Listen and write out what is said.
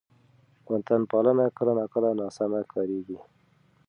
وطن پالنه کله ناکله ناسمه کارېږي.